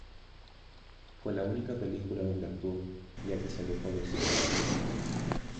Fue la única película donde actuó, ya que se alejó del cine.